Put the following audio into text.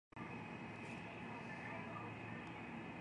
五ミリ程度の小さい傷、でも、それは心臓のそばにあって無視できない傷でもあった